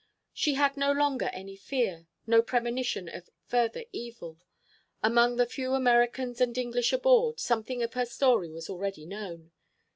She had no longer any fear; no premonition of further evil. Among the few Americans and English aboard, something of her story was already known.